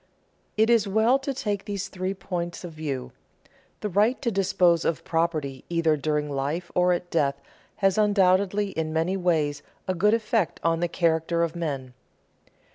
_ It is well to take these three points of view. The right to dispose of property either during life or at death has undoubtedly in many ways a good effect on the character of men.